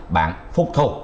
bạn phục thu